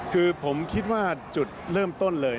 คือผมคิดว่าจุดเริ่มต้นเลย